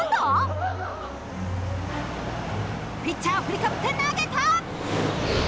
ピッチャー振りかぶって投げた！